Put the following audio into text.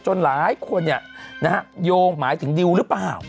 จนหลายคนเนี่ยนะฮะโยงหมายถึงดิวหรือเปล่า